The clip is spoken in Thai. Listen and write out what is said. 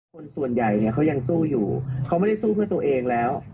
คนส่วนใหญ่เนี่ยเขายังสู้อยู่เขาไม่ได้สู้เพื่อตัวเองแล้ว